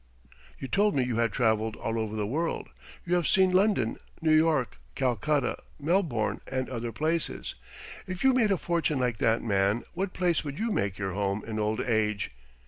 "You told me you had travelled all over the world. You have seen London, New York, Calcutta, Melbourne, and other places. If you made a fortune like that man what place would you make your home in old age?"